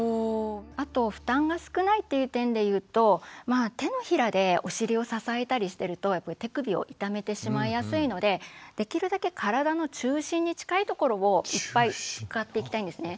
あと負担が少ないっていう点で言うと手のひらでお尻を支えたりしてると手首を痛めてしまいやすいのでできるだけ体の中心に近いところをいっぱい使っていきたいんですね。